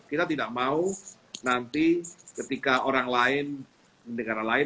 kita tidak mau nanti ketika orang lain negara lain